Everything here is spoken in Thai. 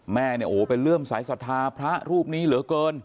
แม่เนี่ยโอ้โหเป็นเรื่องสายศรัทธาพระรูปนี้เหลือเกิน